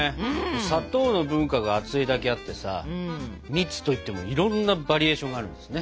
砂糖の文化が厚いだけあってさ蜜といってもいろんなバリエーションがあるんですね。